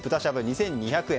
２２００円。